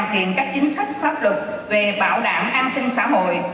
đoàn thiện các chính sách pháp luật về bảo đảm an sinh xã hội